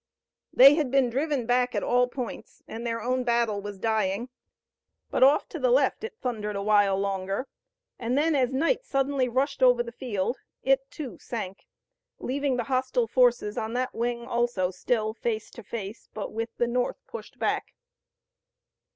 They had been driven back at all points and their own battle was dying, but off to the left it thundered a while longer, and then as night suddenly rushed over the field it, too, sank, leaving the hostile forces on that wing also still face to face, but with the North pushed back.